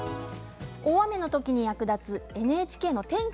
大雨の時に役立つＮＨＫの天気